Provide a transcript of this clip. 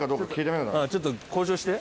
ちょっと交渉して。